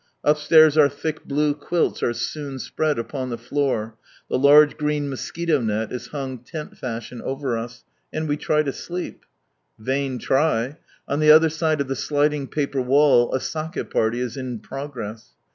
Upstairs our thick blue quilts are soon spread 16 From Sunrise Land upon the floor, the large green mosquito net is hung lent fashion over us, and we try lo sleep. Vain try I On ihe other side of the sliding paper wall a Sak6 party is in progress.